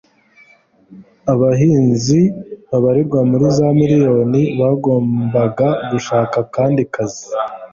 Abahinzi babarirwa muri za miriyoni bagombaga gushaka akandi kazi